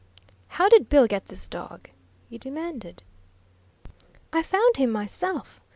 "How did Bill get this dog?" he demanded. "I found him myself.